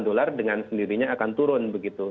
dolar dengan sendirinya akan turun begitu